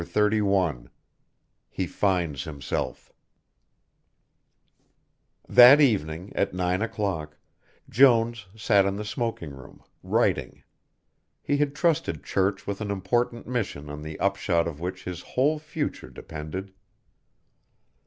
CHAPTER XXXI HE FINDS HIMSELF That evening at nine o'clock, Jones sat in the smoking room, writing. He had trusted Church with an important mission on the upshot of which his whole future depended.